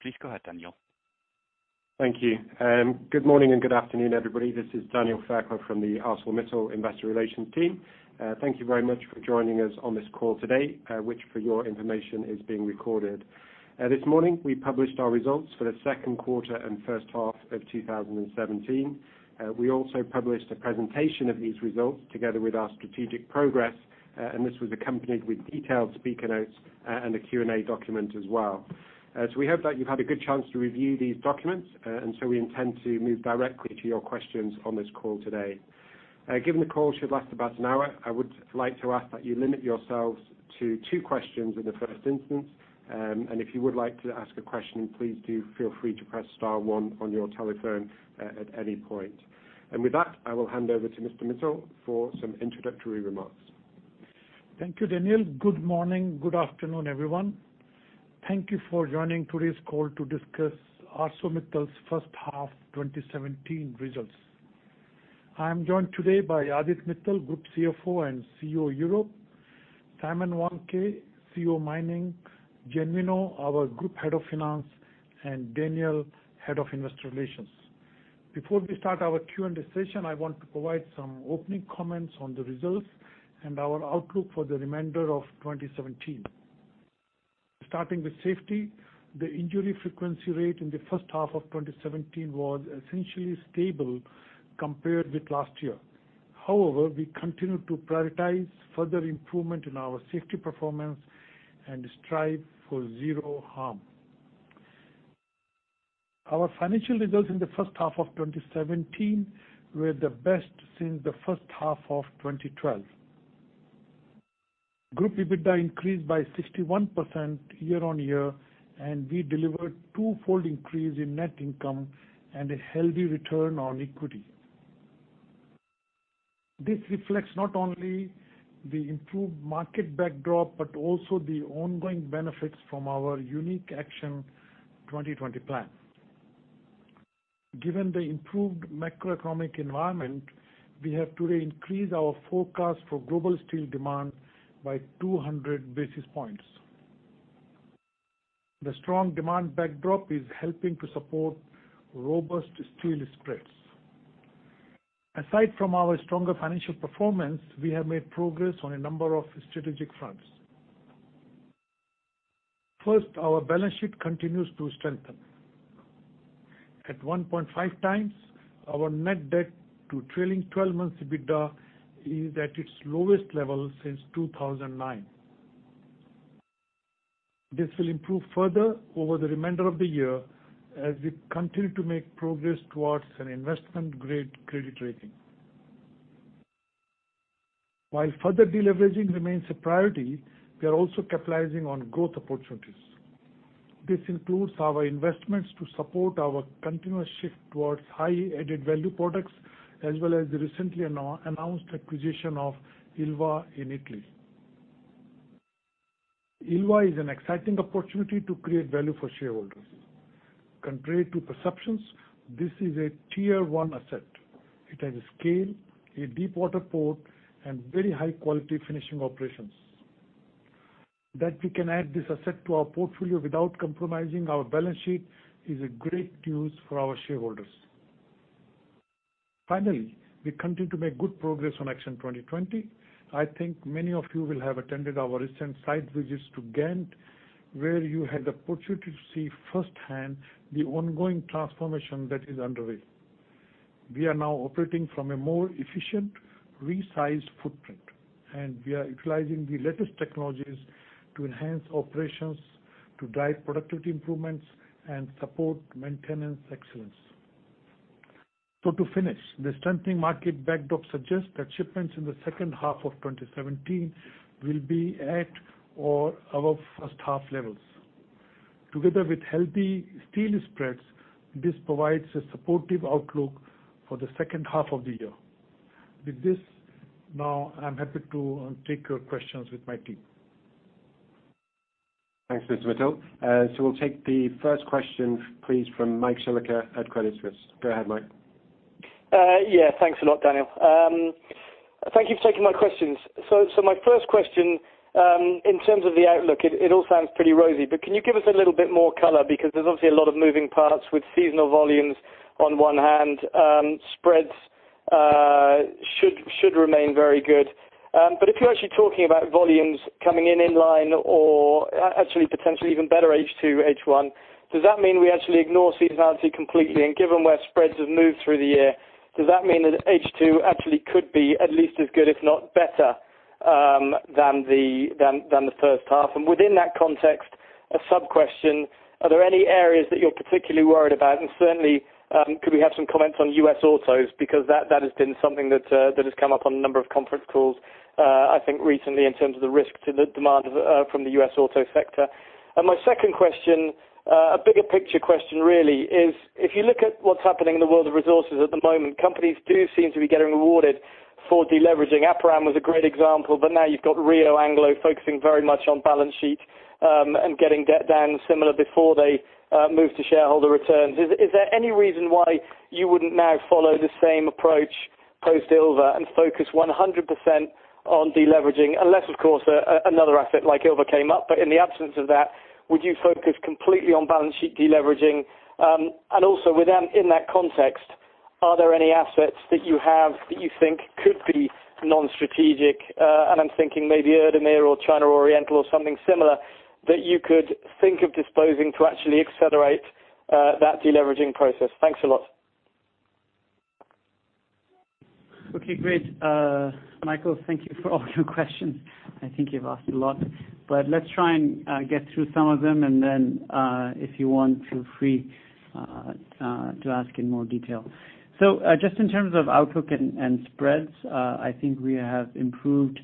Please go ahead, Daniel. Thank you. Good morning and good afternoon, everybody. This is Daniel Fairclough from the ArcelorMittal Investor Relations team. Thank you very much for joining us on this call today, which for your information, is being recorded. This morning, we published our results for the second quarter and first half of 2017. We also published a presentation of these results together with our strategic progress, and this was accompanied with detailed speaker notes and a Q&A document as well. We hope that you've had a good chance to review these documents, and we intend to move directly to your questions on this call today. Given the call should last about an hour, I would like to ask that you limit yourselves to two questions in the first instance. If you would like to ask a question, please do feel free to press star one on your telephone at any point. With that, I will hand over to Mr. Mittal for some introductory remarks. Thank you, Daniel. Good morning, good afternoon, everyone. Thank you for joining today's call to discuss ArcelorMittal's first half 2017 results. I am joined today by Aditya Mittal, Group CFO and CEO of Europe, Simon Wandke, CEO Mining, Genuino, our Group Head of Finance, and Daniel, Head of Investor Relations. Before we start our Q&A session, I want to provide some opening comments on the results and our outlook for the remainder of 2017. Starting with safety, the injury frequency rate in the first half of 2017 was essentially stable compared with last year. However, we continue to prioritize further improvement in our safety performance and strive for zero harm. Our financial results in the first half of 2017 were the best since the first half of 2012. Group EBITDA increased by 61% year-on-year, and we delivered twofold increase in net income and a healthy return on equity. This reflects not only the improved market backdrop but also the ongoing benefits from our unique Action 2020 plan. Given the improved macroeconomic environment, we have today increased our forecast for global steel demand by 200 basis points. The strong demand backdrop is helping to support robust steel spreads. Aside from our stronger financial performance, we have made progress on a number of strategic fronts. First, our balance sheet continues to strengthen. At 1.5 times, our net debt to trailing 12 months EBITDA is at its lowest level since 2009. This will improve further over the remainder of the year as we continue to make progress towards an investment-grade credit rating. While further deleveraging remains a priority, we are also capitalizing on growth opportunities. This includes our investments to support our continuous shift towards high added value products, as well as the recently announced acquisition of Ilva in Italy. Ilva is an exciting opportunity to create value for shareholders. Contrary to perceptions, this is a Tier 1 asset. It has a scale, a deepwater port, and very high-quality finishing operations. That we can add this asset to our portfolio without compromising our balance sheet is a great use for our shareholders. Finally, we continue to make good progress on Action 2020. I think many of you will have attended our recent site visits to Ghent, where you had the opportunity to see firsthand the ongoing transformation that is underway. We are now operating from a more efficient, resized footprint, and we are utilizing the latest technologies to enhance operations, to drive productivity improvements, and support maintenance excellence. To finish, the strengthening market backdrop suggests that shipments in the second half of 2017 will be at or above first half levels. Together with healthy steel spreads, this provides a supportive outlook for the second half of the year. With this, now I'm happy to take your questions with my team. Thanks, Lakshmi Mittal. We'll take the first question, please, from Mike Shillaker at Credit Suisse. Go ahead, Mike. Thanks a lot, Daniel. Thank you for taking my questions. My first question, in terms of the outlook, it all sounds pretty rosy. Can you give us a little bit more color? There's obviously a lot of moving parts with seasonal volumes on one hand, spreads should remain very good. If you're actually talking about volumes coming in inline or actually potentially even better H2, H1, does that mean we actually ignore seasonality completely? Given where spreads have moved through the year, does that mean that H2 actually could be at least as good if not better than the first half? Within that context, a sub-question, are there any areas that you're particularly worried about? Certainly, could we have some comments on U.S. autos? That has been something that has come up on a number of conference calls, I think recently in terms of the risk to the demand from the U.S. auto sector. My second question, a bigger picture question really is, if you look at what's happening in the world of resources at the moment, companies do seem to be getting rewarded for deleveraging. Aperam was a great example, but now you've got Rio, Anglo focusing very much on balance sheet, and getting debt down similar before they move to shareholder returns. Is there any reason why you wouldn't now follow the same approach post-Ilva and focus 100% on deleveraging, unless of course another asset like Ilva came up. In the absence of that, would you focus completely on balance sheet deleveraging? Also in that context, are there any assets that you have that you think could be non-strategic? I'm thinking maybe Erdemir or China Oriental or something similar that you could think of disposing to actually accelerate that deleveraging process. Thanks a lot. Okay, great. Michael, thank you for all your questions. I think you've asked a lot, let's try and get through some of them, then, if you want, feel free to ask in more detail. Just in terms of outlook and spreads, I think we have improved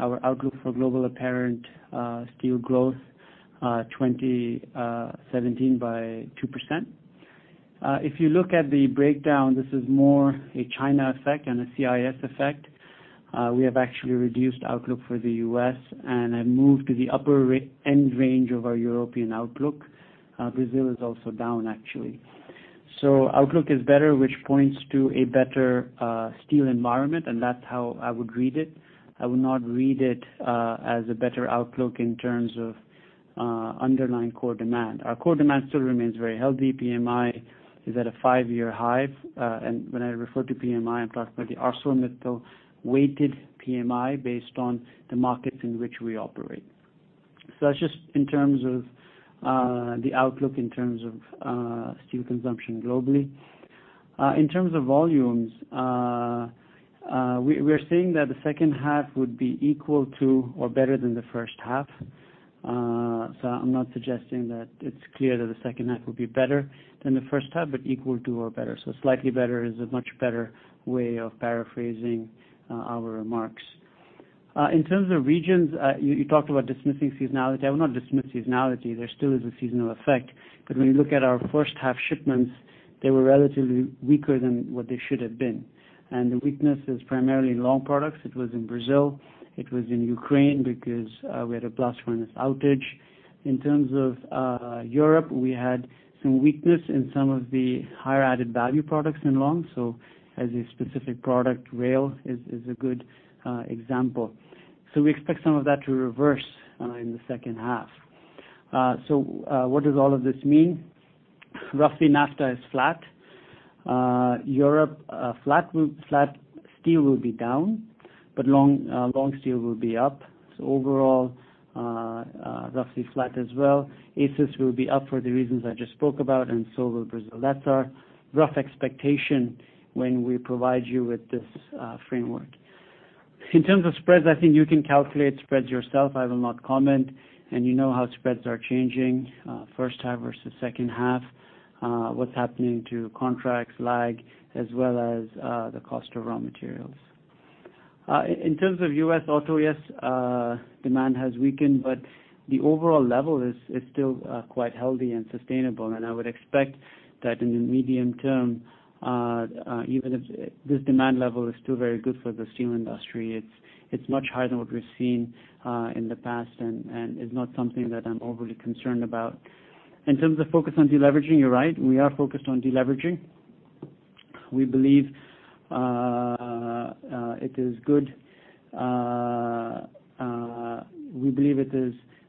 our outlook for global apparent steel growth 2017 by 2%. If you look at the breakdown, this is more a China effect than a CIS effect. We have actually reduced outlook for the U.S. and have moved to the upper end range of our European outlook. Brazil is also down, actually. Outlook is better, which points to a better steel environment, and that's how I would read it. I would not read it as a better outlook in terms of underlying core demand. Our core demand still remains very healthy. PMI is at a five-year high. When I refer to PMI, I'm talking about the ArcelorMittal weighted PMI based on the markets in which we operate. That's just in terms of the outlook in terms of steel consumption globally. In terms of volumes, we are saying that the second half would be equal to or better than the first half. I'm not suggesting that it's clear that the second half will be better than the first half, but equal to or better. Slightly better is a much better way of paraphrasing our remarks. In terms of regions, you talked about dismissing seasonality. I will not dismiss seasonality. There still is a seasonal effect. When you look at our first half shipments, they were relatively weaker than what they should have been. The weakness is primarily in long products. It was in Brazil. It was in Ukraine because we had a blast furnace outage. In terms of Europe, we had some weakness in some of the higher added-value products in long. As a specific product, rail is a good example. We expect some of that to reverse in the second half. What does all of this mean? Roughly, NAFTA is flat. Europe, flat steel will be down, but long steel will be up. Overall, roughly flat as well. ACIS will be up for the reasons I just spoke about, so will Brazil. That's our rough expectation when we provide you with this framework. In terms of spreads, I think you can calculate spreads yourself. I will not comment. You know how spreads are changing, first half versus second half, what's happening to contracts lag, as well as the cost of raw materials. In terms of U.S. auto, yes, demand has weakened, the overall level is still quite healthy and sustainable. I would expect that in the medium term, even if this demand level is still very good for the steel industry, it's much higher than what we've seen in the past and is not something that I'm overly concerned about. In terms of focus on deleveraging, you're right, we are focused on deleveraging. We believe it is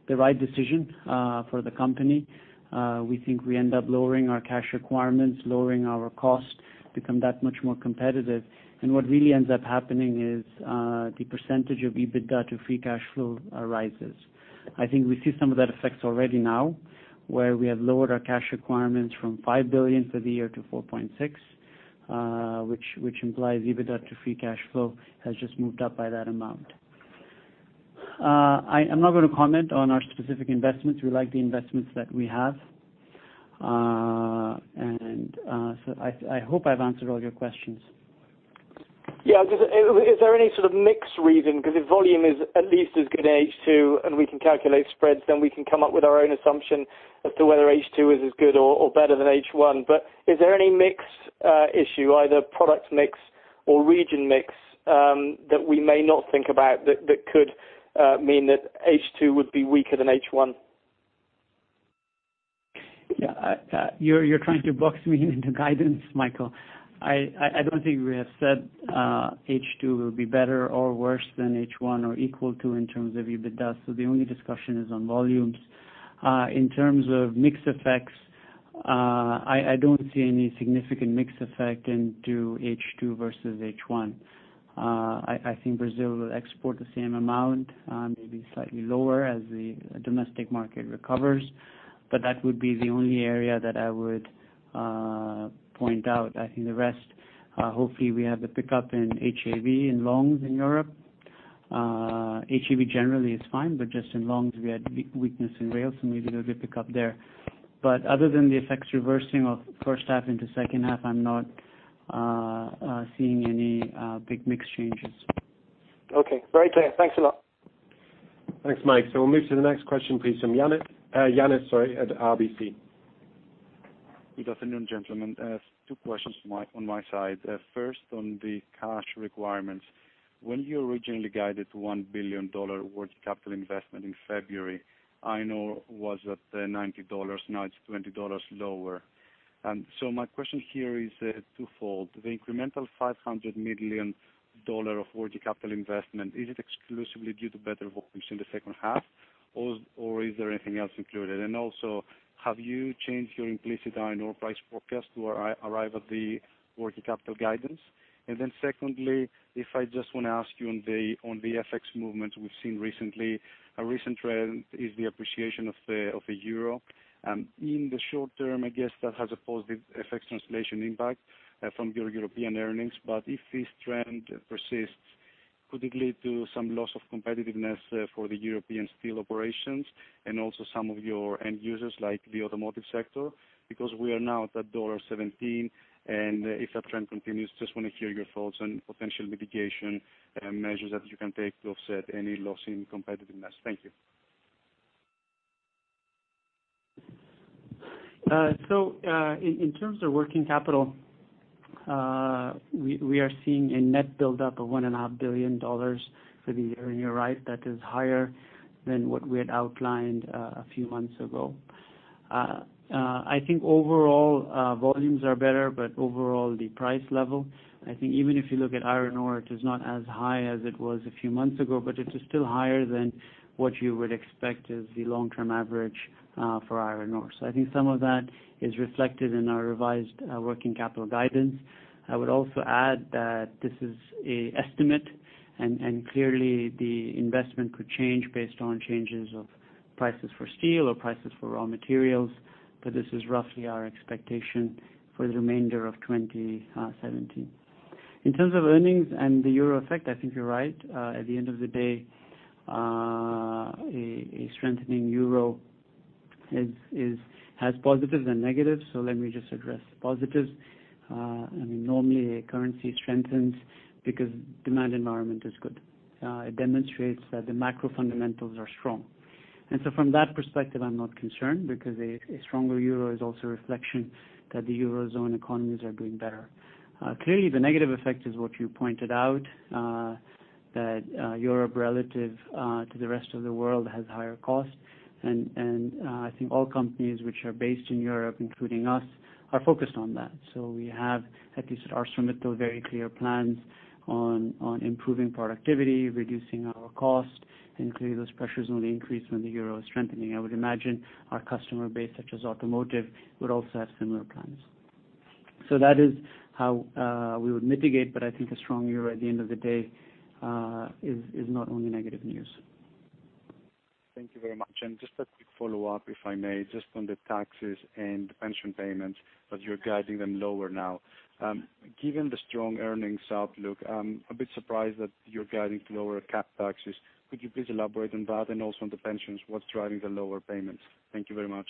the right decision for the company. We think we end up lowering our cash requirements, lowering our cost to become that much more competitive. What really ends up happening is, the percentage of EBITDA to free cash flow rises. I think we see some of that effects already now, where we have lowered our cash requirements from $5 billion for the year to $4.6 billion, which implies EBITDA to free cash flow has just moved up by that amount. I'm not going to comment on our specific investments. We like the investments that we have. I hope I've answered all your questions. Yeah. Is there any sort of mix reason? If volume is at least as good in H2 and we can calculate spreads, then we can come up with our own assumption as to whether H2 is as good or better than H1. Is there any mix issue, either product mix or region mix, that we may not think about that could mean that H2 would be weaker than H1? Yeah. You're trying to box me into guidance, Michael. I don't think we have said H2 will be better or worse than H1 or equal to in terms of EBITDA. The only discussion is on volumes. In terms of mix effects, I don't see any significant mix effect into H2 versus H1. I think Brazil will export the same amount, maybe slightly lower as the domestic market recovers. That would be the only area that I would point out. I think the rest, hopefully, we have the pickup in HAV in longs in Europe. HAV generally is fine, just in longs, we had weakness in rails. Maybe there'll be pickup there. Other than the effects reversing of first half into second half, I'm not seeing any big mix changes. Okay. Very clear. Thanks a lot. Thanks, Mike. We'll move to the next question, please, from Yannis at RBC. Good afternoon, gentlemen. Two questions on my side. First, on the cash requirements. When you originally guided EUR 1 billion working capital investment in February, iron ore was at EUR 90. Now it's EUR 20 lower. My question here is twofold. The incremental EUR 500 million of working capital investment, is it exclusively due to better volumes in the second half, or is there anything else included? Also, have you changed your implicit iron ore price forecast to arrive at the working capital guidance? Secondly, if I just want to ask you on the FX movements we've seen recently, a recent trend is the appreciation of the euro. In the short term, I guess that has a positive FX translation impact from your European earnings. If this trend persists, could it lead to some loss of competitiveness for the European steel operations and also some of your end users, like the automotive sector? We are now at 1.17, and if that trend continues, just want to hear your thoughts on potential mitigation measures that you can take to offset any loss in competitiveness. Thank you. In terms of working capital, we are seeing a net build-up of EUR 1.5 billion for the year. You're right, that is higher than what we had outlined a few months ago. Overall, volumes are better, but overall, the price level, even if you look at iron ore, it is not as high as it was a few months ago, but it is still higher than what you would expect as the long-term average for iron ore. Some of that is reflected in our revised working capital guidance. I would also add that this is an estimate, and clearly the investment could change based on changes of prices for steel or prices for raw materials, but this is roughly our expectation for the remainder of 2017. In terms of earnings and the euro effect, you're right. At the end of the day, a strengthening euro has positives and negatives. Let me just address the positives. I mean, normally a currency strengthens because demand environment is good. It demonstrates that the macro fundamentals are strong. From that perspective, I'm not concerned because a stronger euro is also a reflection that the Eurozone economies are doing better. Clearly, the negative effect is what you pointed out, that Europe, relative to the rest of the world, has higher costs. All companies which are based in Europe, including us, are focused on that. We have, at least at ArcelorMittal, very clear plans on improving productivity, reducing our costs, and clearly those pressures only increase when the euro is strengthening. I would imagine our customer base, such as automotive, would also have similar plans. That is how we would mitigate. I think a strong euro at the end of the day is not only negative news. Thank you very much. Just a quick follow-up, if I may, just on the taxes and pension payments, that you're guiding them lower now. Given the strong earnings outlook, I'm a bit surprised that you're guiding lower cash taxes. Could you please elaborate on that and also on the pensions, what's driving the lower payments? Thank you very much.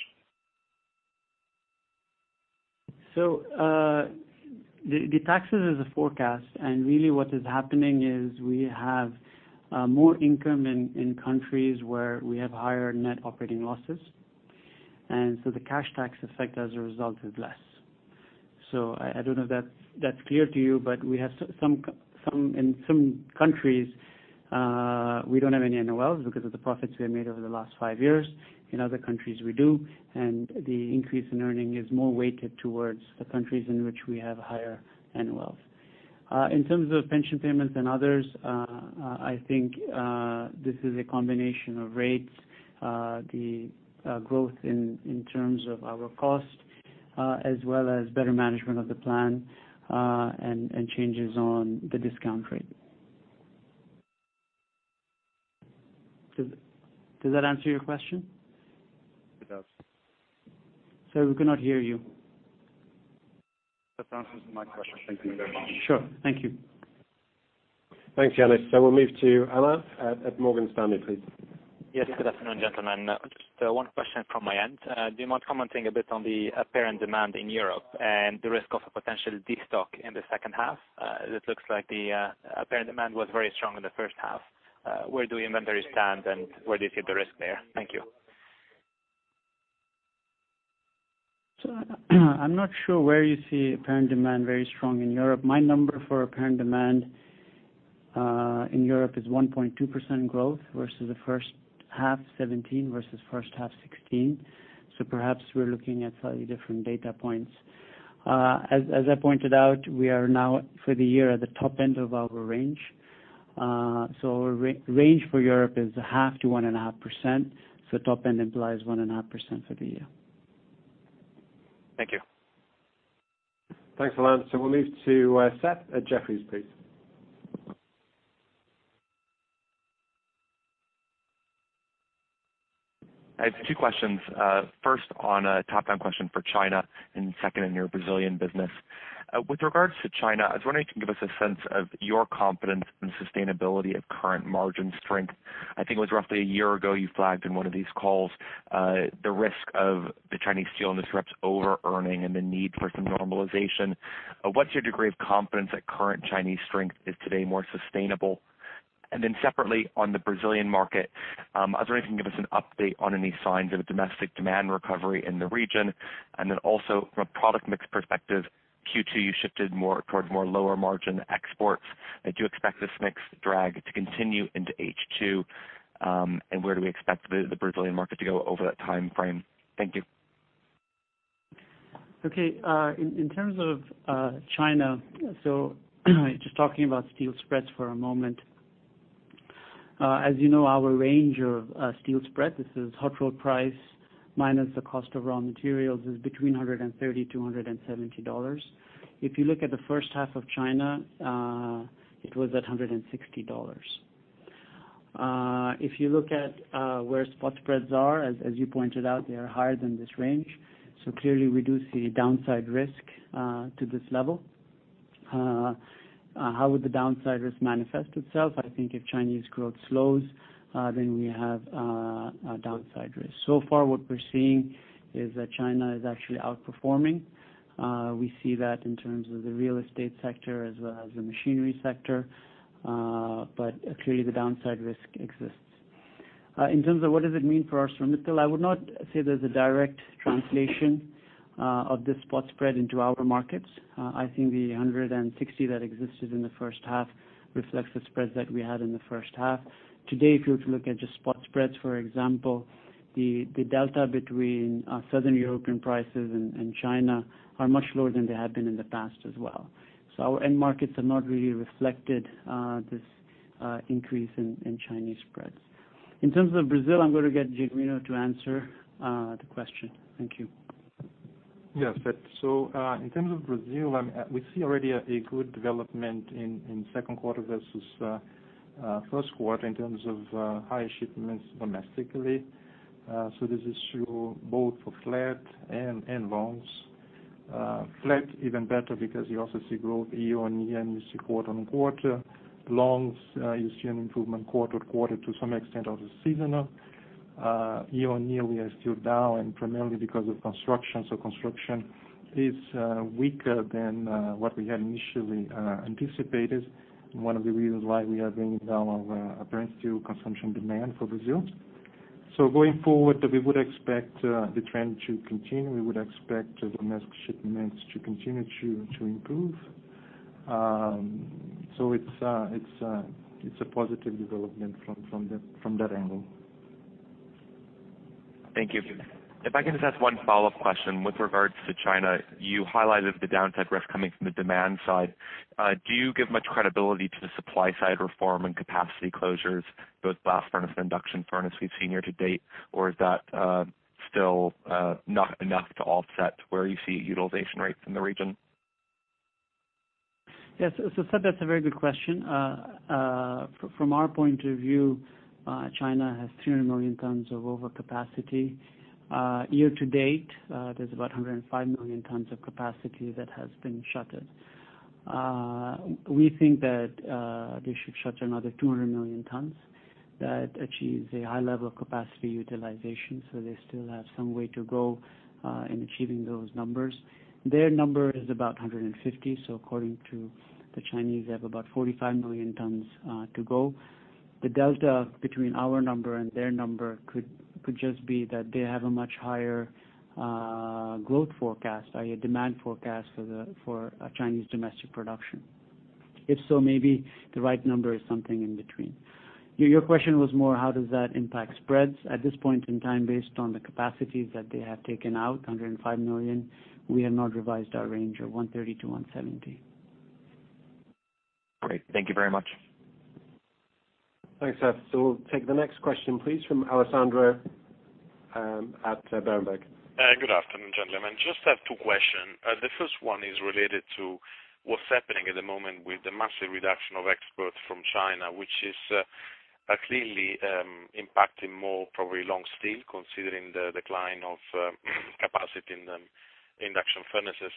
The taxes is a forecast and really what is happening is we have more income in countries where we have higher net operating losses. The cash tax effect as a result is less. I don't know if that's clear to you, but in some countries, we don't have any NOLs because of the profits we have made over the last five years. In other countries, we do, and the increase in earnings is more weighted towards the countries in which we have higher NOLs. In terms of pension payments and others, I think this is a combination of rates, the growth in terms of our cost, as well as better management of the plan, and changes on the discount rate. Does that answer your question? It does. Sir, we cannot hear you. That answers my question. Thank you very much. Sure. Thank you. Thanks, Yannis. We'll move to Alain at Morgan Stanley, please. Yes. Good afternoon, gentlemen. Just one question from my end. Do you mind commenting a bit on the apparent demand in Europe and the risk of a potential destock in the second half? It looks like the apparent demand was very strong in the first half. Where do your inventories stand, and where do you see the risk there? Thank you. I'm not sure where you see apparent demand very strong in Europe. My number for apparent demand in Europe is 1.2% growth versus the first half 2017 versus first half 2016. Perhaps we're looking at slightly different data points. As I pointed out, we are now for the year at the top end of our range. Our range for Europe is 0.5%-1.5%, so top end implies 1.5% for the year. Thank you. Thanks, Alain. We'll move to Seth at Jefferies, please. I have two questions. First on a top-down question for China, and second in your Brazilian business. With regards to China, I was wondering if you can give us a sense of your confidence in sustainability of current margin strength. I think it was roughly a year ago, you flagged in one of these calls the risk of the Chinese steel spreads over-earning and the need for some normalization. What's your degree of confidence that current Chinese strength is today more sustainable? Separately on the Brazilian market, I was wondering if you can give us an update on any signs of a domestic demand recovery in the region, and then also from a product mix perspective, Q2, you shifted more towards more lower margin exports. I do expect this mix drag to continue into H2. Where do we expect the Brazilian market to go over that timeframe? Thank you. Okay. In terms of China, just talking about steel spreads for a moment. As you know, our range of steel spread, this is hot rolled price minus the cost of raw materials, is between EUR 130-EUR 170. If you look at the first half of China, it was at EUR 160. If you look at where spot spreads are, as you pointed out, they are higher than this range. Clearly we do see downside risk to this level. How would the downside risk manifest itself? I think if Chinese growth slows, then we have a downside risk. So far what we're seeing is that China is actually outperforming. We see that in terms of the real estate sector as well as the machinery sector. Clearly the downside risk exists. In terms of what does it mean for ArcelorMittal, I would not say there's a direct translation of this spot spread into our markets. I think the 160 that existed in the first half reflects the spreads that we had in the first half. Today, if you were to look at just spot spreads, for example, the delta between Southern European prices and China are much lower than they have been in the past as well. Our end markets have not really reflected this increase in Chinese spreads. In terms of Brazil, I'm going to get Genuino to answer the question. Thank you. Yes. In terms of Brazil, we see already a good development in second quarter versus first quarter in terms of higher shipments domestically. This is true both for flat and longs. Flat even better because you also see growth year-on-year and you see quarter-on-quarter. Longs, you see an improvement quarter-to-quarter to some extent are seasonal. Year-on-year, we are still down and primarily because of construction. Construction is weaker than what we had initially anticipated. One of the reasons why we are bringing down our apparent steel consumption demand for Brazil. Going forward, we would expect the trend to continue. We would expect domestic shipments to continue to improve. It's a positive development from that angle. Thank you. If I can just ask one follow-up question with regards to China. You highlighted the downside risk coming from the demand side. Do you give much credibility to the supply side reform and capacity closures, both blast furnace and induction furnace we've seen year-to-date, or is that still not enough to offset where you see utilization rates in the region? Yes, Seth, that's a very good question. From our point of view, China has 300 million tons of overcapacity. Year-to-date, there's about 105 million tons of capacity that has been shuttered. We think that they should shutter another 200 million tons that achieves a high level of capacity utilization, so they still have some way to go in achieving those numbers. Their number is about 150, according to the Chinese, they have about 45 million tons to go. The delta between our number and their number could just be that they have a much higher growth forecast or a demand forecast for Chinese domestic production. If so, maybe the right number is something in between. Your question was more how does that impact spreads. At this point in time based on the capacities that they have taken out, 105 million, we have not revised our range of 130-170. Great. Thank you very much. Thanks, Seth. We'll take the next question, please, from Alessandro at Bloomberg. Good afternoon, gentlemen. Just have two questions. The first one is related to what's happening at the moment with the massive reduction of exports from China, which is clearly impacting more probably long steel, considering the decline of capacity in the induction furnaces.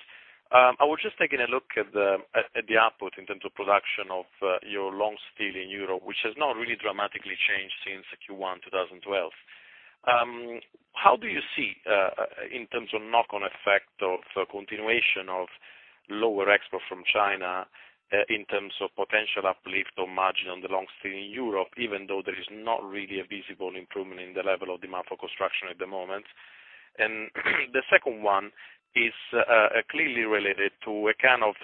I was just taking a look at the output in terms of production of your long steel in Europe, which has not really dramatically changed since Q1 2012. How do you see in terms of knock-on effect of continuation of lower export from China, in terms of potential uplift on margin on the long steel in Europe, even though there is not really a visible improvement in the level of demand for construction at the moment? The second one is clearly related to a kind of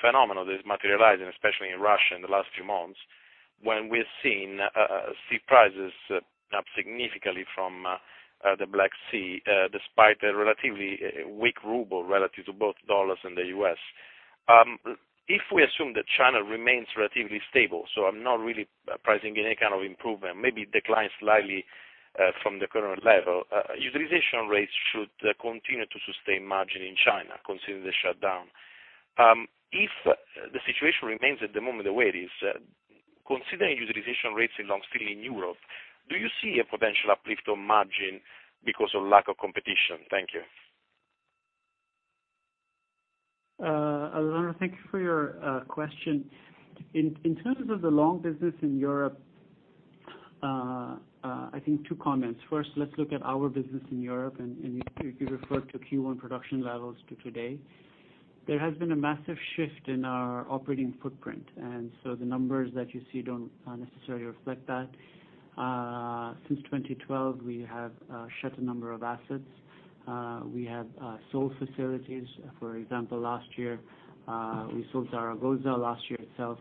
phenomenon that is materializing, especially in Russia in the last few months, when we're seeing steel prices up significantly from the Black Sea, despite a relatively weak ruble relative to both dollars and the U.S. If we assume that China remains relatively stable, I'm not really pricing any kind of improvement, maybe decline slightly from the current level. Utilization rates should continue to sustain margin in China considering the shutdown. If the situation remains at the moment the way it is, considering utilization rates in long steel in Europe, do you see a potential uplift on margin because of lack of competition? Thank you. Alessandro, thank you for your question. In terms of the long business in Europe, I think two comments. First, let's look at our business in Europe. If you refer to Q1 production levels to today, there has been a massive shift in our operating footprint. The numbers that you see don't necessarily reflect that. Since 2012, we have shut a number of assets. We have sold facilities. For example, last year, we sold Zaragoza. Last year itself,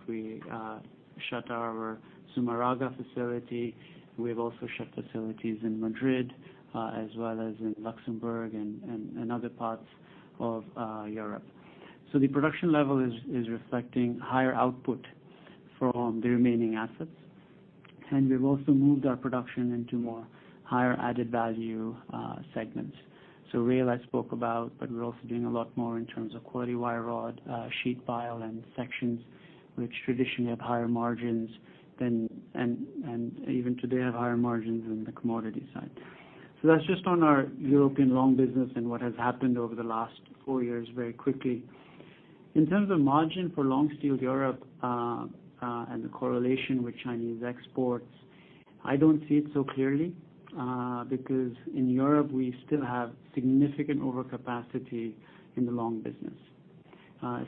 we shut our Zumarraga facility. We have also shut facilities in Madrid, as well as in Luxembourg and other parts of Europe. The production level is reflecting higher output from the remaining assets. We've also moved our production into more higher added value segments. Rail I spoke about, but we're also doing a lot more in terms of quality wire rod, sheet pile, and sections, which traditionally have higher margins, and even today have higher margins than the commodity side. That's just on our European long business and what has happened over the last four years very quickly. In terms of margin for long steel Europe and the correlation with Chinese exports, I don't see it so clearly, because in Europe we still have significant overcapacity in the long business,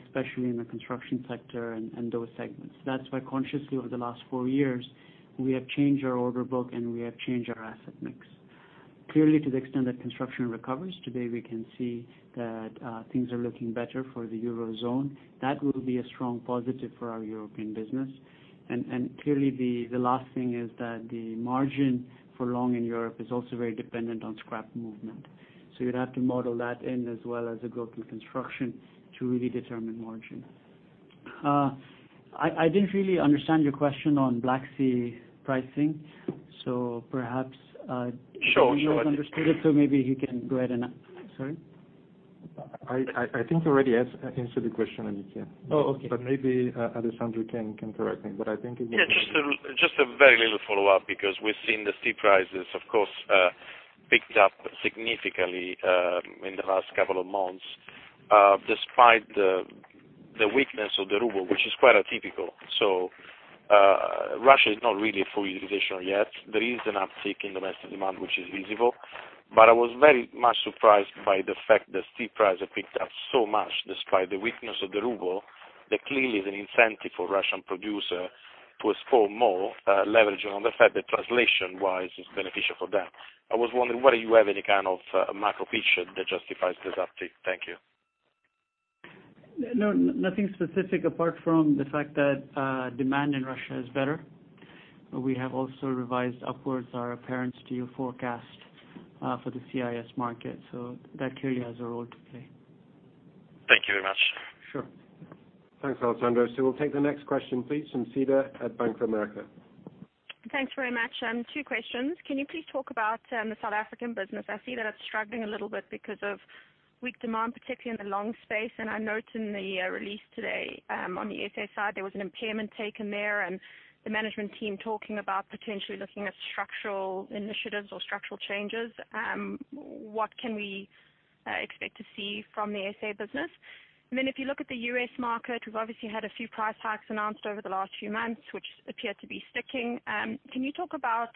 especially in the construction sector and those segments. That's why consciously over the last four years, we have changed our order book and we have changed our asset mix. To the extent that construction recovers, today we can see that things are looking better for the Eurozone. That will be a strong positive for our European business. Clearly the last thing is that the margin for long in Europe is also very dependent on scrap movement. You'd have to model that in as well as the growth in construction to really determine margin. I didn't really understand your question on Black Sea pricing. Sure. I think you understood it, so maybe you can go ahead. Sorry? I think already answered the question, Aditya. Oh, okay. Maybe Alessandro can correct me, but I think. Just a very little follow-up because we're seeing the steel prices, of course, picked up significantly in the last couple of months, despite the weakness of the ruble, which is quite atypical. Russia is not really at full utilization yet. There is an uptick in domestic demand, which is visible. I was very much surprised by the fact that steel prices picked up so much despite the weakness of the ruble, that clearly is an incentive for Russian producer to explore more leverage on the fact that translation-wise, it's beneficial for them. I was wondering whether you have any kind of macro picture that justifies this uptick. Thank you. No, nothing specific apart from the fact that demand in Russia is better. We have also revised upwards our apparent steel forecast for the CIS market, that clearly has a role to play. Thank you very much. Sure. Thanks, Alessandro. We'll take the next question, please, from Cedar at Bank of America. Thanks very much. Two questions. Can you please talk about the South African business? I see that it's struggling a little bit because of weak demand, particularly in the long space. I note in the release today, on the SA side, there was an impairment taken there and the management team talking about potentially looking at structural initiatives or structural changes. What can we expect to see from the SA business? If you look at the U.S. market, we've obviously had a few price hikes announced over the last few months, which appear to be sticking. Can you talk about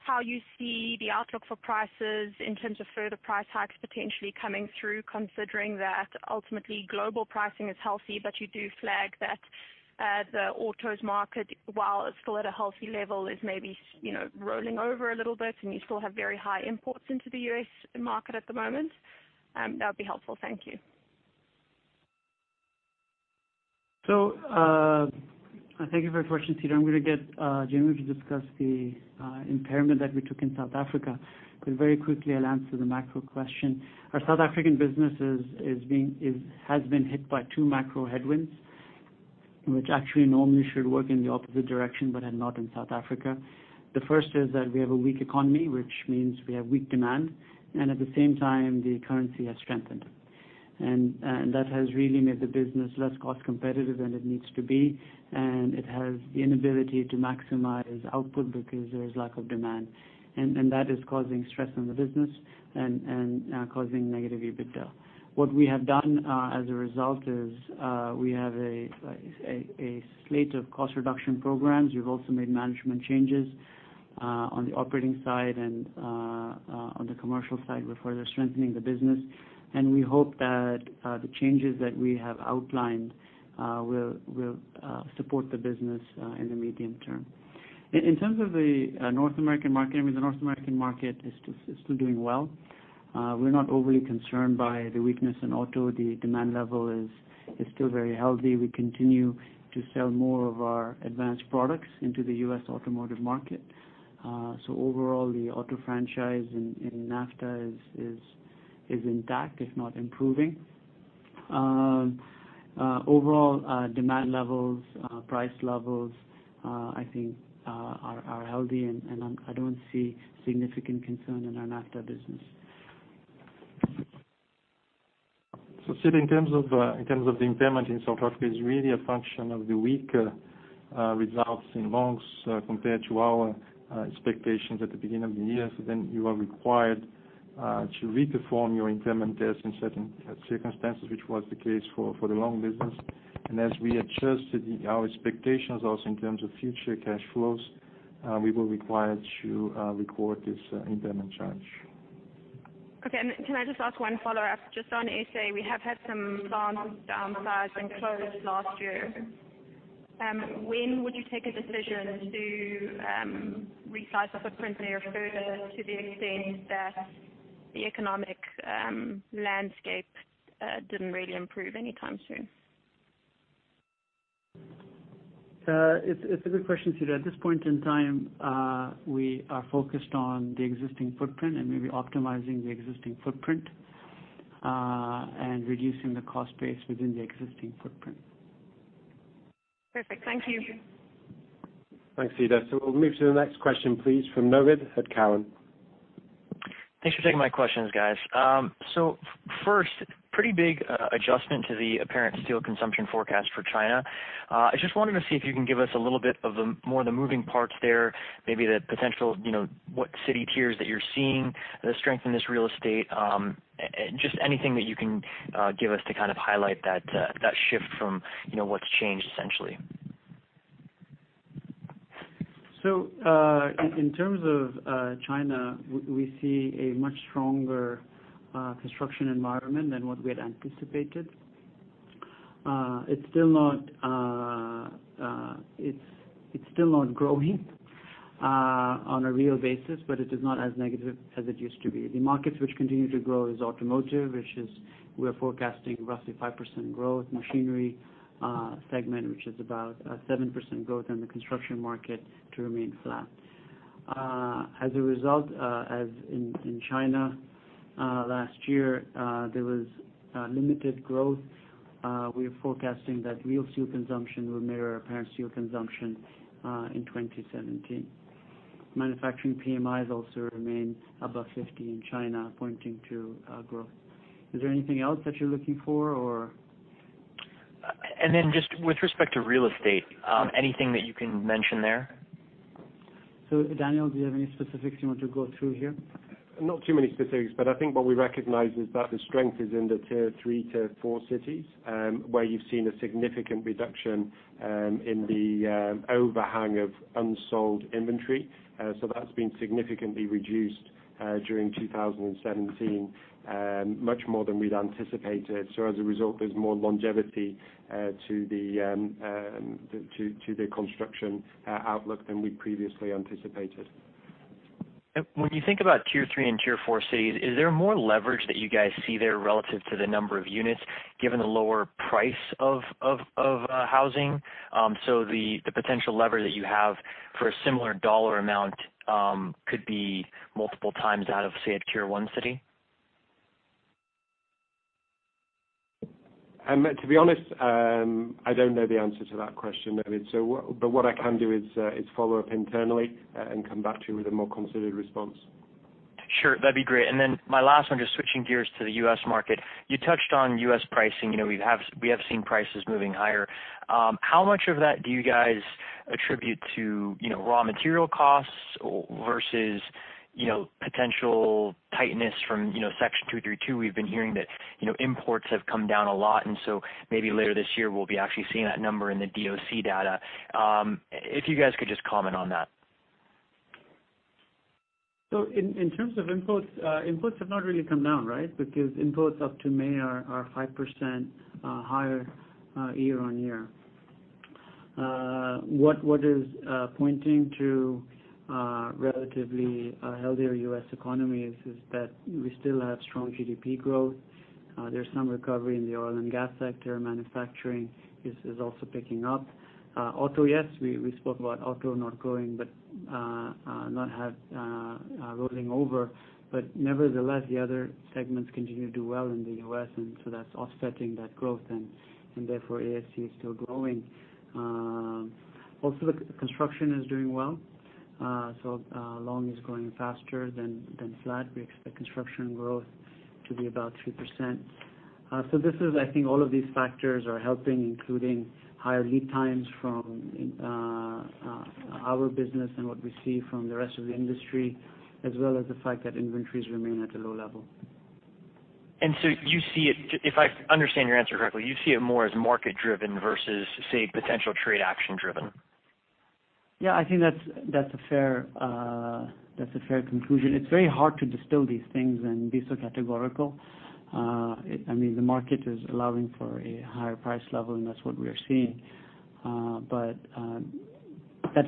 how you see the outlook for prices in terms of further price hikes potentially coming through, considering that ultimately global pricing is healthy, but you do flag that the autos market, while it's still at a healthy level, is maybe rolling over a little bit and you still have very high imports into the U.S. market at the moment? That would be helpful. Thank you. Thank you for the question, Cedar. I'm going to get Genuino to discuss the impairment that we took in South Africa. Very quickly, I'll answer the macro question. Our South African business has been hit by two macro headwinds, which actually normally should work in the opposite direction, but have not in South Africa. The first is that we have a weak economy, which means we have weak demand, and at the same time, the currency has strengthened. That has really made the business less cost competitive than it needs to be, and it has the inability to maximize output because there is lack of demand. That is causing stress on the business and causing negative EBITDA. What we have done as a result is we have a slate of cost reduction programs. We've also made management changes on the operating side and on the commercial side. We're further strengthening the business, and we hope that the changes that we have outlined will support the business in the medium term. In terms of the North American market, the North American market is still doing well. We're not overly concerned by the weakness in auto. The demand level is still very healthy. We continue to sell more of our advanced products into the U.S. automotive market. Overall, the auto franchise in NAFTA is intact, if not improving. Overall demand levels, price levels, I think are healthy, and I don't see significant concern in our NAFTA business. Cedar, in terms of the impairment in South Africa, it's really a function of the weak results in longs compared to our expectations at the beginning of the year. You are required to reform your impairment test in certain circumstances, which was the case for the long business. As we adjust our expectations also in terms of future cash flows, we will require to record this impairment charge. Okay. Can I just ask one follow-up? Just on SA, we have had some plants downsized and closed last year. When would you take a decision to resize the footprint there further to the extent that the economic landscape didn't really improve anytime soon? It's a good question, Cedar. At this point in time, we are focused on the existing footprint and maybe optimizing the existing footprint, and reducing the cost base within the existing footprint. Perfect. Thank you. Thanks, Cedar. We'll move to the next question, please, from Novid at Cowen. Thanks for taking my questions, guys. First, pretty big adjustment to the apparent steel consumption forecast for China. I just wanted to see if you can give us a little bit more of the moving parts there, maybe the potential, what city tiers that you're seeing, the strength in this real estate. Just anything that you can give us to kind of highlight that shift from what's changed, essentially. In terms of China, we see a much stronger construction environment than what we had anticipated. It is still not growing on a real basis, but it is not as negative as it used to be. The markets which continue to grow is automotive, which is, we are forecasting roughly 5% growth. Machinery segment, which is about 7% growth, and the construction market to remain flat. As a result, as in China last year, there was limited growth. We are forecasting that real steel consumption will mirror apparent steel consumption in 2017. Manufacturing PMIs also remain above 50 in China, pointing to growth. Is there anything else that you're looking for? Just with respect to real estate, anything that you can mention there? Daniel, do you have any specifics you want to go through here? Not too many specifics, I think what we recognize is that the strength is in the tier 3, tier 4 cities, where you've seen a significant reduction in the overhang of unsold inventory. That's been significantly reduced during 2017, much more than we'd anticipated. As a result, there's more longevity to the construction outlook than we'd previously anticipated. When you think about tier 3 and tier 4 cities, is there more leverage that you guys see there relative to the number of units, given the lower price of housing? The potential lever that you have for a similar dollar amount could be multiple times out of, say, a tier 1 city? To be honest, I don't know the answer to that question, Navid. What I can do is follow up internally and come back to you with a more considered response. Sure, that'd be great. My last one, just switching gears to the U.S. market. You touched on U.S. pricing. We have seen prices moving higher. How much of that do you guys attribute to raw material costs versus potential tightness from Section 232? We've been hearing that imports have come down a lot, and so maybe later this year, we'll be actually seeing that number in the DOC data. If you guys could just comment on that. In terms of imports have not really come down, right? Because imports up to May are 5% higher year-over-year. What is pointing to a relatively healthier U.S. economy is that we still have strong GDP growth. There's some recovery in the oil and gas sector. Manufacturing is also picking up. Auto, yes, we spoke about auto not growing, but not rolling over. Nevertheless, the other segments continue to do well in the U.S., and so that's offsetting that growth, and therefore ASC is still growing. Also, the construction is doing well. Long is growing faster than flat. We expect construction growth to be about 3%. This is, I think all of these factors are helping, including higher lead times from our business and what we see from the rest of the industry, as well as the fact that inventories remain at a low level. You see it, if I understand your answer correctly, you see it more as market-driven versus, say, potential trade action driven? I think that's a fair conclusion. It's very hard to distill these things and be so categorical. The market is allowing for a higher price level, that's what we are seeing. That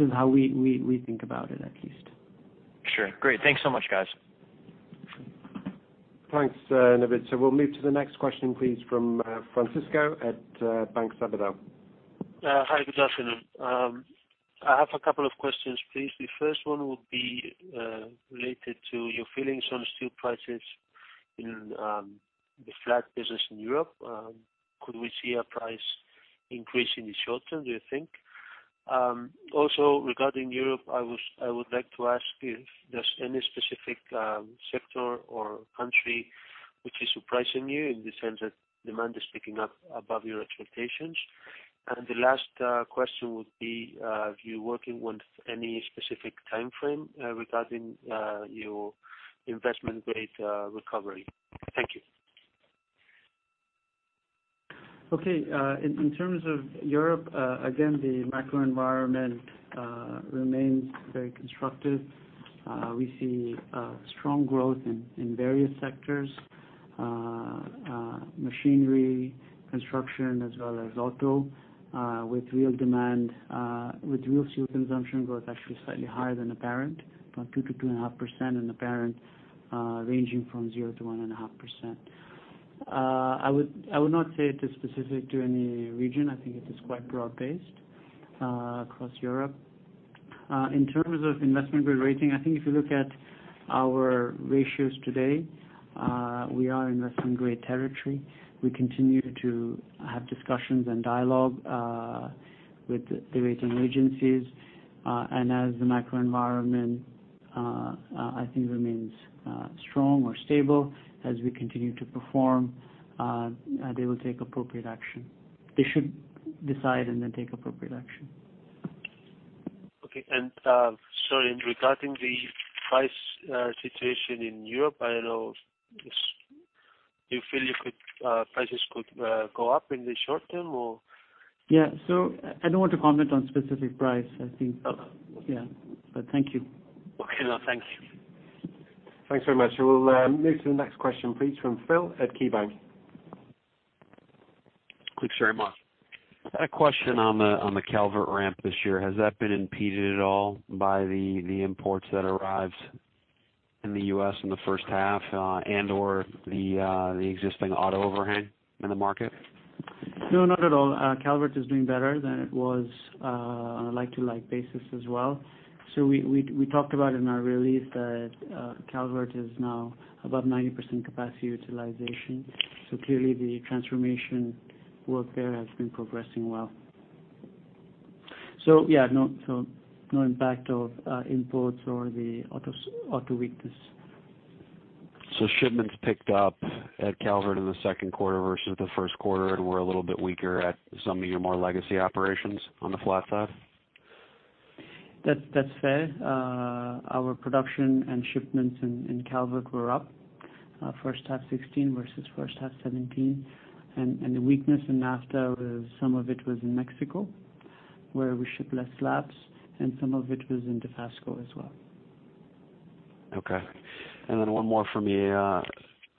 is how we think about it, at least. Sure. Great. Thanks so much, guys. Thanks, Navid. We'll move to the next question, please, from Francisco at Bank Sabadell. Hi, good afternoon. I have a couple of questions, please. The first one would be related to your feelings on steel prices in the flat business in Europe. Could we see a price increase in the short term, do you think? Also regarding Europe, I would like to ask if there's any specific sector or country which is surprising you in the sense that demand is picking up above your expectations? The last question would be if you're working with any specific timeframe regarding your investment-grade recovery. Thank you. Okay. In terms of Europe, again, the macro environment remains very constructive. We see strong growth in various sectors, machinery, construction, as well as auto, with real steel consumption growth actually slightly higher than apparent, about 2%-2.5%, and apparent ranging from 0%-1.5%. I would not say it is specific to any region. I think it is quite broad-based across Europe. In terms of investment-grade rating, I think if you look at our ratios today, we are in investment-grade territory. We continue to have discussions and dialogue with the rating agencies. As the macro environment, I think remains strong or stable as we continue to perform, they will take appropriate action. They should decide and then take appropriate action. Okay. Sorry, regarding the price situation in Europe, I don't know, do you feel prices could go up in the short term or? Yeah. I don't want to comment on specific price, I think. Oh. Yeah. Thank you. Okay. No, thank you. Thanks very much. We'll move to the next question, please, from Phil at KeyBank. Thanks very much. I had a question on the Calvert ramp this year. Has that been impeded at all by the imports that arrived in the U.S. in the first half and/or the existing auto overhang in the market? No, not at all. Calvert is doing better than it was on a like-to-like basis as well. We talked about in our release that Calvert is now above 90% capacity utilization. Clearly the transformation work there has been progressing well. Yeah, no impact of imports or the auto weakness. Shipments picked up at Calvert in the second quarter versus the first quarter, and were a little bit weaker at some of your more legacy operations on the flat side? That's fair. Our production and shipments in Calvert were up first half 2016 versus first half 2017. The weakness in NAFTA, some of it was in Mexico, where we ship less slabs, and some of it was in Dofasco as well. Okay. One more from me,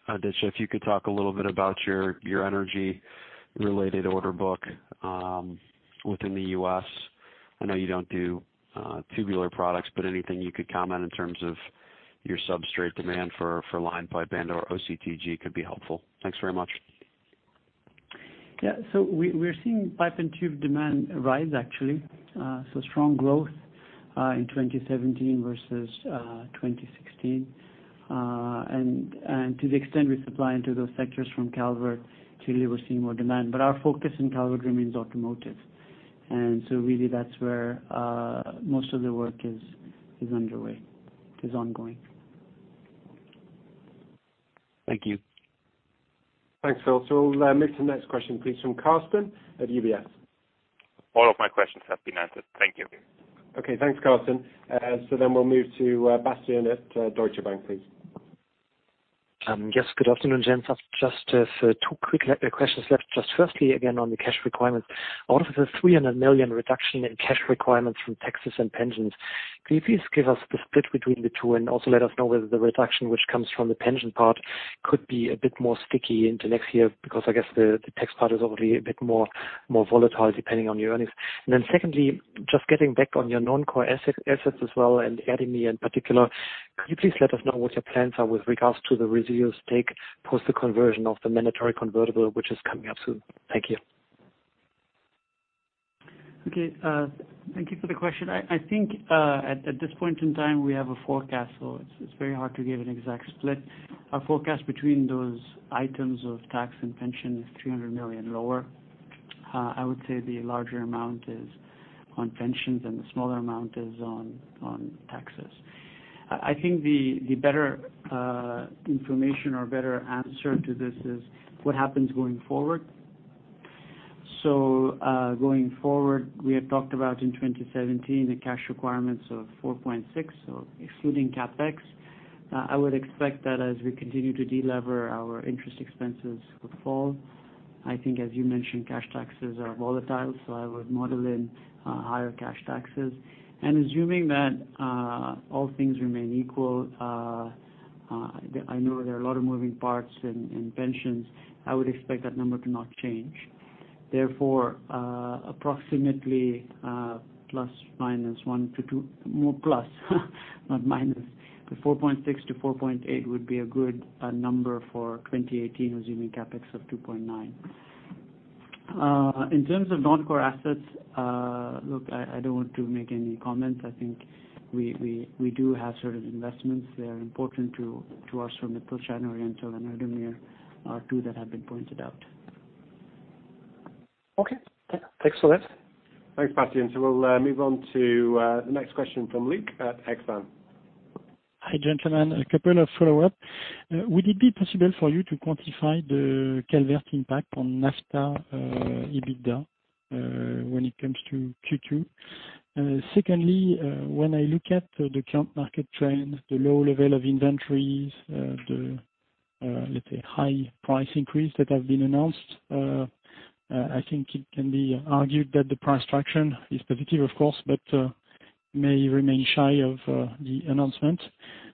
Aditya. If you could talk a little bit about your energy-related order book within the U.S. I know you don't do tubular products, but anything you could comment in terms of your substrate demand for line pipe and/or OCTG could be helpful. Thanks very much. Yeah. We're seeing pipe and tube demand rise, actually. Strong growth in 2017 versus 2016. To the extent we supply into those sectors from Calvert, clearly we're seeing more demand. Our focus in Calvert remains automotive. Really that's where most of the work is underway, is ongoing. Thank you. Thanks, Phil. We'll move to the next question, please, from Carsten at UBS. All of my questions have been answered. Thank you. Okay, thanks, Carsten. We'll move to Bastian at Deutsche Bank, please. Yes, good afternoon, gents. I have just two quick questions left. Just firstly, again, on the cash requirements. Out of the $300 million reduction in cash requirements from taxes and pensions, could you please give us the split between the two and also let us know whether the reduction which comes from the pension part could be a bit more sticky into next year? Because I guess the tax part is already a bit more volatile depending on your earnings. Secondly, just getting back on your non-core assets as well, and Erdemir in particular, could you please let us know what your plans are with regards to the residual stake post the conversion of the mandatory convertible which is coming up soon? Thank you. Okay. Thank you for the question. I think, at this point in time, we have a forecast. It is very hard to give an exact split. Our forecast between those items of tax and pension is $300 million lower. I would say the larger amount is on pensions, and the smaller amount is on taxes. I think the better information or better answer to this is what happens going forward. Going forward, we had talked about in 2017 the cash requirements of $4.6 billion, excluding CapEx. I would expect that as we continue to de-lever, our interest expenses would fall. I think, as you mentioned, cash taxes are volatile, I would model in higher cash taxes. Assuming that all things remain equal, I know there are a lot of moving parts in pensions, I would expect that number to not change. Therefore, approximately $4.6 billion-$4.8 billion would be a good number for 2018, assuming CapEx of $2.9 billion. In terms of non-core assets, look, I do not want to make any comments. I think we do have certain investments. They are important to us from the [Pearl China Oriental] and Erdemir, are two that have been pointed out. Okay. Thanks a lot. Thanks, Bastian. We'll move on to the next question from Luc at Exane. Hi, gentlemen. A couple of follow-up. Would it be possible for you to quantify the Calvert impact on NAFTA EBITDA when it comes to Q2? Secondly, when I look at the current market trends, the low level of inventories, the high price increase that have been announced, I think it can be argued that the price traction is positive, of course, but may remain shy of the announcement.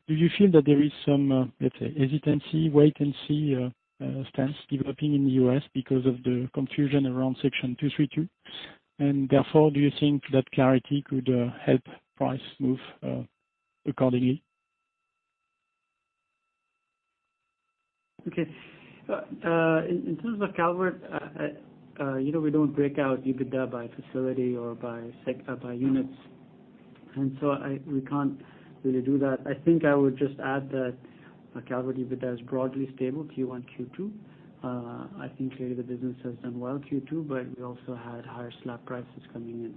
Do you feel that there is some, let's say, hesitancy, wait-and-see stance developing in the U.S. because of the confusion around Section 232? Therefore, do you think that clarity could help price move accordingly? Okay. In terms of Calvert, we don't break out EBITDA by facility or by units. We can't really do that. I think I would just add that Calvert EBITDA is broadly stable Q1, Q2. I think clearly the business has done well Q2, but we also had higher slab prices coming in.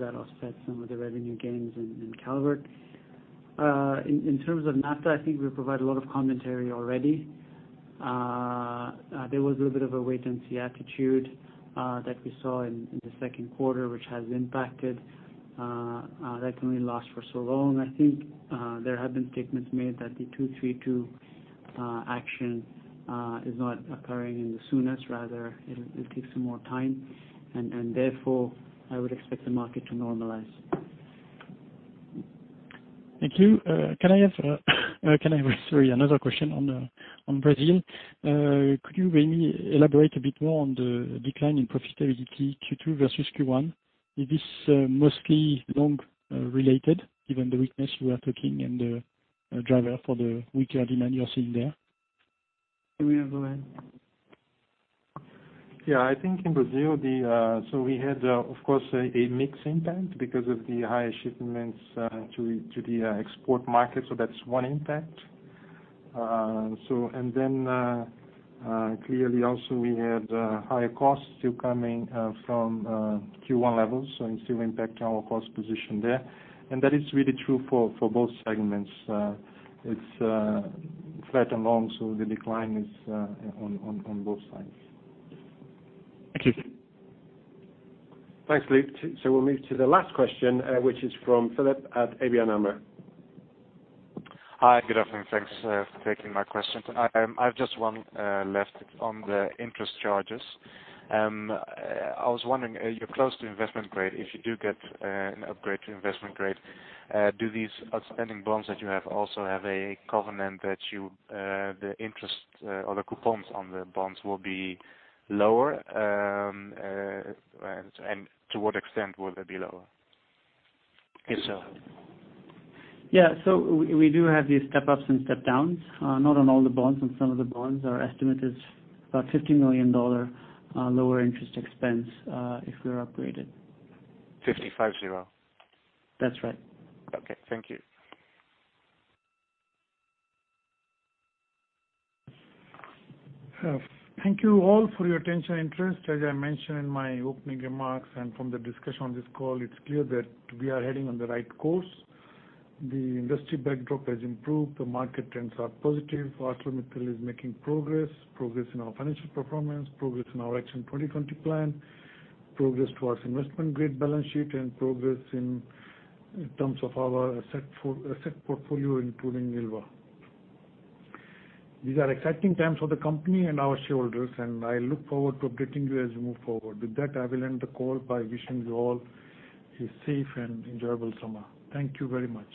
That offset some of the revenue gains in Calvert. In terms of NAFTA, I think we've provided a lot of commentary already. There was a little bit of a wait-and-see attitude that we saw in the second quarter, which has impacted. That can only last for so long. I think there have been statements made that the 232 action is not occurring in the soonest, rather it'll take some more time, therefore, I would expect the market to normalize. Thank you. Can I have another question on Brazil? Could you maybe elaborate a bit more on the decline in profitability Q2 versus Q1? Is this mostly long related, given the weakness you are taking and the driver for the weaker demand you're seeing there? Genuino, go ahead. Yeah, I think in Brazil, we had, of course, a mix impact because of the higher shipments to the export market. That's one impact. Clearly also we had higher costs still coming from Q1 levels, it's still impacting our cost position there. That is really true for both segments. It's flat and long, the decline is on both sides. Thank you. Thanks, Luc. We'll move to the last question, which is from Philip at ABN AMRO. Hi, good afternoon. Thanks for taking my questions. I've just one left on the interest charges. I was wondering, you're close to investment-grade. If you do get an upgrade to investment-grade, do these outstanding bonds that you have also have a covenant that the interest or the coupons on the bonds will be lower? To what extent will they be lower, if so? Yeah, we do have these step-ups and step-downs. Not on all the bonds. On some of the bonds. Our estimate is about $50 million lower interest expense if we're upgraded. 50, five zero? That's right. Okay. Thank you. Thank you all for your attention and interest. As I mentioned in my opening remarks and from the discussion on this call, it's clear that we are heading on the right course. The industry backdrop has improved. The market trends are positive. ArcelorMittal is making progress. Progress in our financial performance, progress in our Action 2020 plan, progress towards investment-grade balance sheet, and progress in terms of our asset portfolio, including Ilva. These are exciting times for the company and our shareholders, and I look forward to updating you as we move forward. With that, I will end the call by wishing you all a safe and enjoyable summer. Thank you very much.